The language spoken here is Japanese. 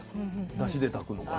だしで炊くのかな？